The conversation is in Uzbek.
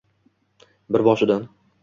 Bir boshidan.